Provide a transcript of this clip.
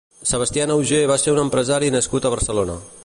Sebastián Auger va ser un empresari nascut a Barcelona.